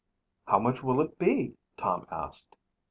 "How much will it be?" Tom asked.